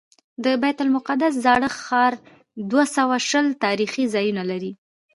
د بیت المقدس زاړه ښار دوه سوه شل تاریخي ځایونه لري.